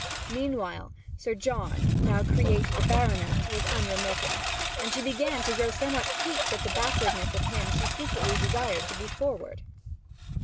Meanwhile Sir John, now created a baronet, was unremitting, and she began to grow somewhat piqued at the backwardness of him she secretly desired to be forward.